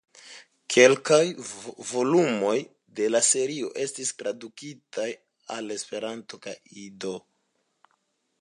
Kelkaj volumoj de la serio estis tradukitaj al Esperanto kaj Ido.